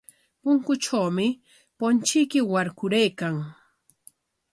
Punkutrawmi punchuyki warkaraykan.